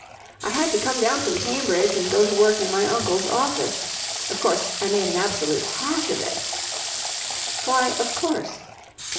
I had to come down from Cambridge and go to work in my uncle's office. Of course, I made an absolute hash of it." "Why, of course?"